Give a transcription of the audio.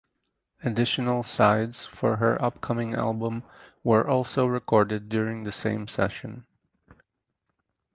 Additional sides for her upcoming album were also recorded during the same session.